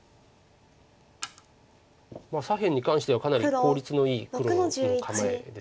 左辺に関してはかなり効率のいい黒の構えですよね。